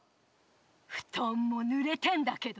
ふとんもぬれてんだけど。